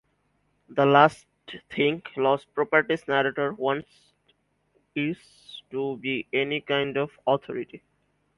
The last thing Lost Property’s narrator wants is to be any kind of authority.